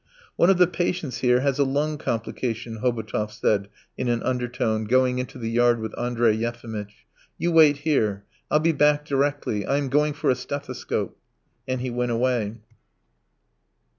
"One of the patients here has a lung complication." Hobotov said in an undertone, going into the yard with Andrey Yefimitch. "You wait here, I'll be back directly. I am going for a stethoscope." And he went away.